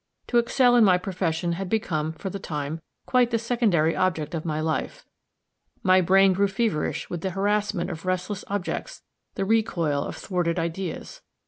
To excel in my profession had become, for the time, quite the secondary object of my life; my brain grew feverish with the harassment of restless projects the recoil of thwarted ideas.